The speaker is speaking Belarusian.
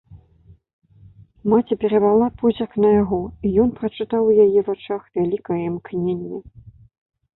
Маці перавяла позірк на яго, і ён прачытаў у яе вачах вялікае імкненне.